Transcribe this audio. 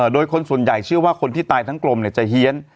โดยคนส่วนใหญ่เชื่อว่าคนที่ตายทั้งกลมจะเฮียน